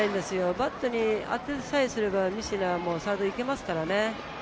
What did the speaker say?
バットに当てさえすれば三科はサードに行けますからね。